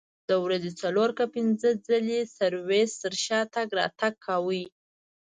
د ورځې څلور که پنځه ځلې سرویس تر ښاره تګ راتګ کاوه.